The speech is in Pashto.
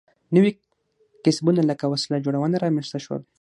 نوي کسبونه لکه وسله جوړونه رامنځته شول.